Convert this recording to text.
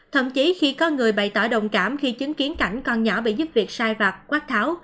thậm chí khi có người bày tỏ đồng cảm khi chứng kiến cảnh con nhỏ bị giúp việc sai vạc quát tháo